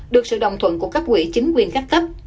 được sự đồng thuận của các quỹ chính quyền các cấp